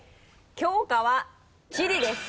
教科は地理です。